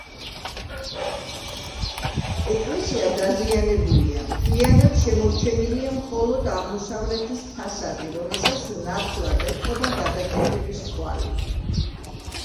ეკლესია დაზიანებულია, მთლიანად შემორჩენილია მხოლოდ აღმოსავლეთის ფასადი, რომელსაც ნათლად ეტყობა გადაკეთების კვალი.